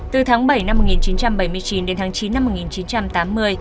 từ tháng bảy năm một nghìn chín trăm bảy mươi chín đến tháng chín năm một nghìn chín trăm tám mươi